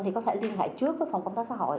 thì có thể liên hệ trước với phòng công tác xã hội